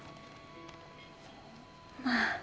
まあ。